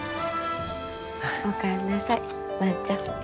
お帰りなさい万ちゃん。